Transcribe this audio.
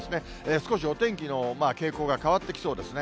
少しお天気の傾向が変わってきそうですね。